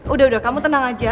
udah udah kamu tenang aja